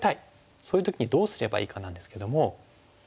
そういう時にどうすればいいかなんですけども。